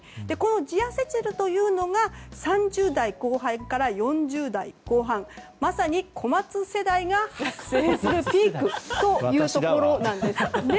ジアセチルというのが３０代後半から４０代後半まさに小松世代が発生するピークだというところです。